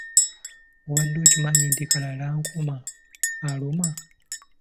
Obadde okimanyi nti kalalankoma aluma?